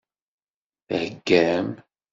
Theggam?